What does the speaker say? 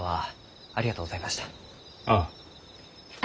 ああ。